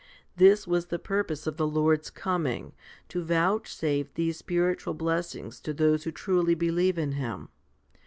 This was the purpose of the Lord's coming, to vouchsafe these spiritual blessings to those who truly believe in Him.